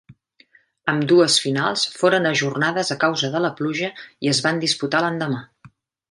Ambdues finals foren ajornades a causa de la pluja i es van disputar l'endemà.